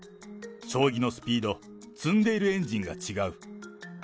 将棋のスピード、積んでいるエンジンが違う。